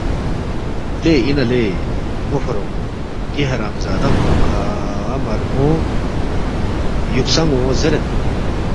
لے اِنا لے موفوروقمو، دی حرام زادا ن٘و کھا مَرمو یُوکسان٘و زیرید